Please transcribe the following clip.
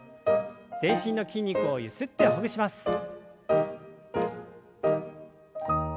全身の筋肉をゆすってほぐします。